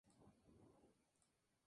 Ventralmente es blancuzca.